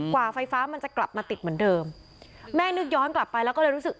กว่าไฟฟ้ามันจะกลับมาติดเหมือนเดิมแม่นึกย้อนกลับไปแล้วก็เลยรู้สึก